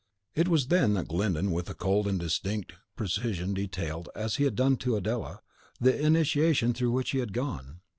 It was then that Glyndon, with a cold and distinct precision, detailed, as he had done to Adela, the initiation through which he had gone.